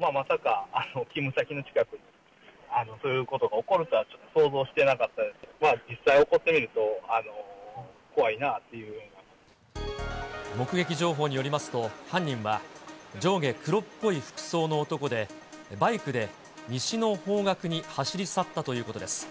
まさか勤務先の近くで、そういうことが起こるとは、ちょっと想像してなかったので、実際起こってみると、目撃情報によりますと、犯人は、上下黒っぽい服装の男で、バイクで西の方角に走り去ったということです。